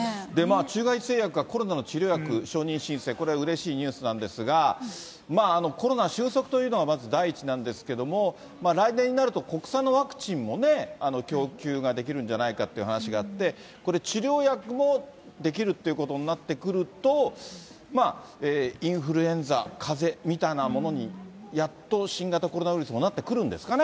中外製薬がコロナの治療薬承認申請、これ、うれしいニュースなんですが、コロナ収束というのがまず第一なんですけれども、来年になると、国産のワクチンもね、供給ができるんじゃないかって話もあって、これ、治療薬も出来るっていうことになってくると、インフルエンザ、かぜみたいなものに、やっと新型コロナウイルスもなってくるんですかね。